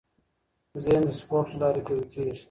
ذهن د سپورت له لارې قوي کېږي.